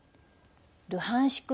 ルハンシク